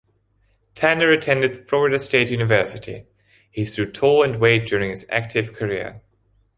Tanner attended Florida State University; he stood tall and weighed during his active career.